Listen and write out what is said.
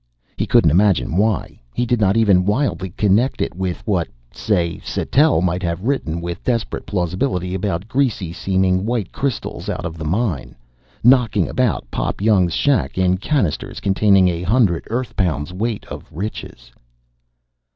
He couldn't imagine why. He did not even wildly connect it with what say Sattell might have written with desperate plausibility about greasy seeming white crystals out of the mine, knocking about Pop Young's shack in cannisters containing a hundred Earth pounds weight of richness.